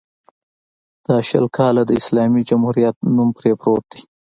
دا شل کاله د اسلامي جمهوریت نوم پرې پروت دی.